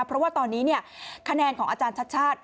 เพราะว่าตอนนี้คะแนนของอาจารย์ชัดชาติ